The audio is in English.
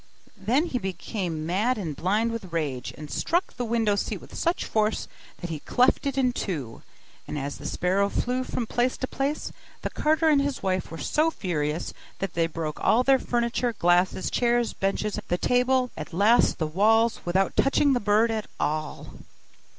Then he became mad and blind with rage, and struck the window seat with such force that he cleft it in two: and as the sparrow flew from place to place, the carter and his wife were so furious, that they broke all their furniture, glasses, chairs, benches, the table, and at last the walls, without touching the bird at all.